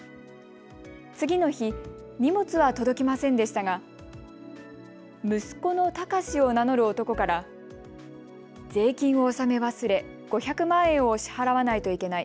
次の日、荷物は届きませんでしたが息子のタカシを名乗る男から税金を納め忘れ、５００万円を支払わないといけない。